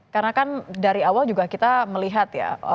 karena kan dari awal juga kita melihat ya